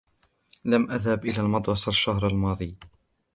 لم أذهب إلى المدرسة الشهر الماضي.